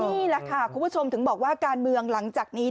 นี่แหละค่ะคุณผู้ชมถึงบอกว่าการเมืองหลังจากนี้